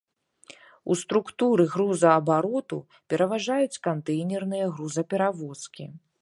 У структуры грузаабароту пераважаюць кантэйнерныя грузаперавозкі.